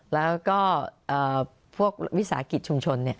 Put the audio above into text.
และวิศากิจชุมชน